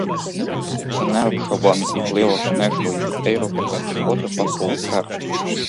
Tā neapšaubāmi ir lielākā nežēlība Eiropā kopš Otrā pasaules kara.